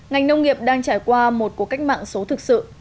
ngành nông nghiệp đang trải qua một cuộc cách mạng số thực sự